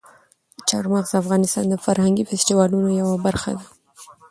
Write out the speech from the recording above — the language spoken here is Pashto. چار مغز د افغانستان د فرهنګي فستیوالونو یوه مهمه برخه ده.